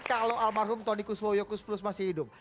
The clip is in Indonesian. kalau almarhum tonikus woyokus plus masih hidup